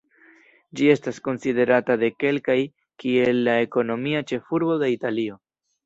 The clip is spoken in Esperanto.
Ĝi estas konsiderata de kelkaj kiel la ekonomia ĉefurbo de Italio.